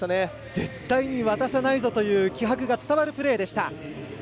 絶対に渡さないぞという気迫が伝わるプレーでした。